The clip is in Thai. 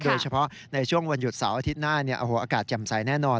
โดยเฉพาะในช่วงวันหยุดเสาร์อาทิตย์หน้าเนี่ยโอ้โหอากาศจำใสแน่นอน